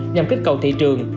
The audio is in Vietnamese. nhằm kích cầu thị trường